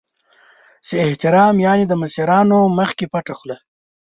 چې احترام یعنې د مشرانو مخکې پټه خوله .